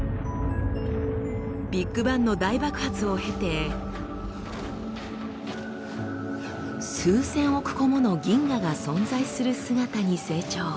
ビッグバンの大爆発を経て数千億個もの銀河が存在する姿に成長。